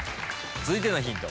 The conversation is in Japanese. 続いてのヒント